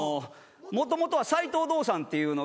もともとは斎藤道三っていうのが。